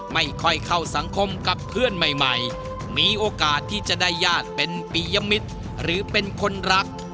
ไม่ค่อยเข้าสังคมกับเพื่อนใหม่มีโอกาสที่จะได้ญาติเป็นปียมิตรหรือเป็นคนรัก